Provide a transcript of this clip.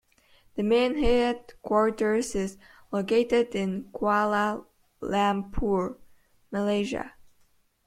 The main headquarters is located in Kuala Lumpur, Malaysia.